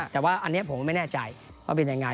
แต่ว่าอันนี้ผมไม่แน่ใจว่าเป็นยังไง